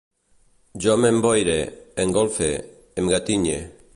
Jo m'esboire, engolfe, em gatinye